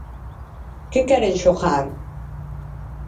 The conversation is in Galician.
Que queren xogar?